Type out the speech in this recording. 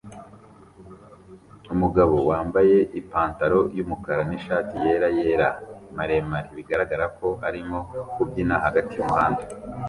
Umugabo wambaye ipantaro yumukara nishati yera yera maremare bigaragara ko arimo kubyina hagati yumuhanda